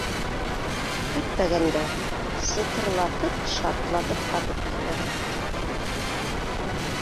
Көтмәгән дә сытырлатып-шартлатып атып бәрә